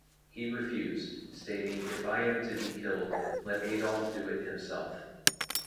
He refused, stating, If I am to be killed, let Adolf do it himself.